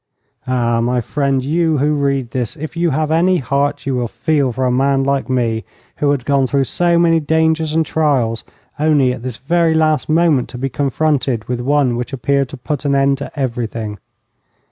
Ah, my friend, you who read this, if you have any heart, you will feel for a man like me, who had gone through so many dangers and trials, only at this very last moment to be confronted with one which appeared to put an end to everything.